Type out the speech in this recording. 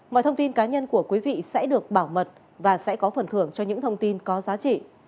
mọi thông tin cá nhân của quý vị sẽ được bảo mật và sẽ có phần thưởng cho những thông tin có giá trị